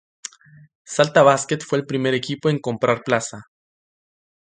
Salta Basket fue el primer equipo en comprar plaza.